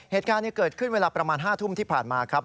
เหตุการณ์เกิดขึ้นเวลาประมาณ๕ทุ่มที่ผ่านมาครับ